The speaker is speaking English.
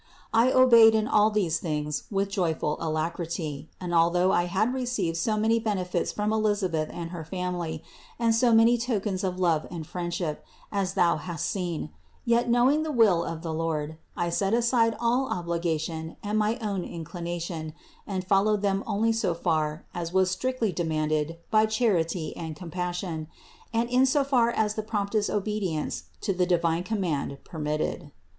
I obeyed in all these things with joyful alacrity; and although I had received so many benefits from Elisabeth and her family and so many tokens of love and friendship, as thou hast seen, yet, knowing the will of the Lord, I set aside all obligation and my own inclination and followed them only so far as was strictly demanded by charity and compassion, and in so far as the promptest obedience to the divine com mand permitted.